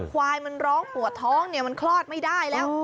ควายมันร้องปวดท้องเนี่ยมันคลอดไม่ได้แล้ว